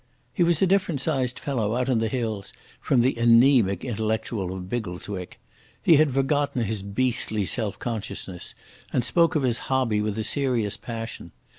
He was a different sized fellow out in the hills from the anaemic intellectual of Biggleswick. He had forgotten his beastly self consciousness, and spoke of his hobby with a serious passion.